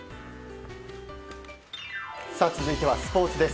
続いては、スポーツです。